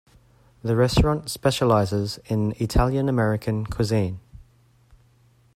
The restaurant specializes in Italian-American cuisine.